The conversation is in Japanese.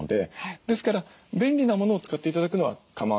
ですから便利なものを使って頂くのは構わない。